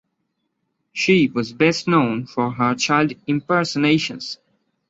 She was best known for her child impersonations.